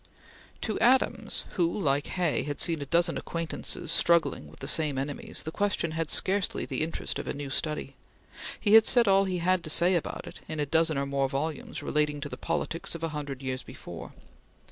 To Adams, who, like Hay, had seen a dozen acquaintances struggling with the same enemies, the question had scarcely the interest of a new study. He had said all he had to say about it in a dozen or more volumes relating to the politics of a hundred years before.